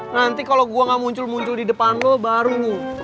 nanti kalo gua ga muncul muncul di depan lu baru mu